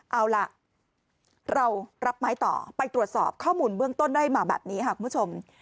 เอาล่ะเรารับไม้ต่อไปตรวจสอบข้อมูลเบื้องต้นได้มาแบบนี้ค่ะคุณผู้ชม